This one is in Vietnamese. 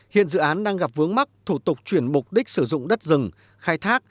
hiện dự án đang gặp vướng mắc thủ tục chuyển mục đích sử dụng đất rừng khai thác